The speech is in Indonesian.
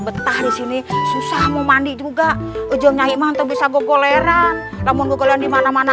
betah di sini susah mau mandi juga ujung nyai mah ntar bisa gogoleran namun gogoleran di mana mana